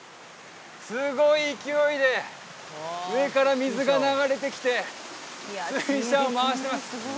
すごい勢いで上から水が流れてきて水車を回してます